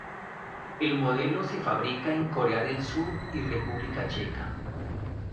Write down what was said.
El modelo se fabrica en Corea del Sur y República Checa.